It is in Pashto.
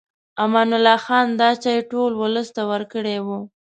امان الله خان دا چای ټول ولس ته ورکړی و.